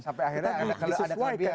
sampai akhirnya ada kabian